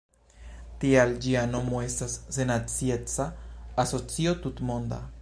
Tial ĝia nomo estas Sennacieca Asocio Tutmonda.